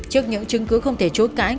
trước những chứng cứ không thể chối cãi